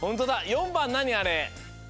４ばんなにあれ？